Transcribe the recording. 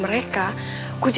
mereka pasti udah janji